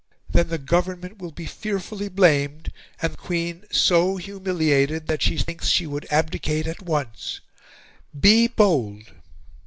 Then the Government will be fearfully blamed and the Queen so humiliated that she thinks she would abdicate at once. Be bold!"